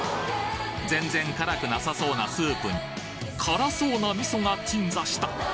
全然辛くなさそうなスープに辛そうな味噌が鎮座した